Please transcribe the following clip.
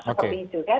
seperti itu kan